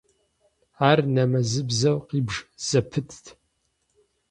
Ар нэмэзыбзэу къибж зэпытт.